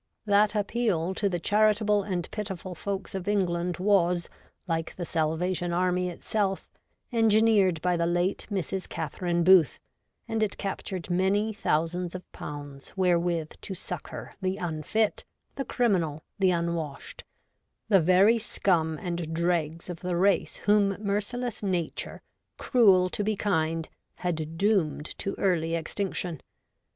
That appeal to the charitable and pitiful folks of England was, like the Salvation Army itself, engineered by the late Mrs. Catherine Booth, and it captured many thousands of pounds wherewith to succour the unfit, the criminal, the unwashed ; the very scum and dregs of the race whom merciless Nature, cruel to be kind, had doomed to early extinction.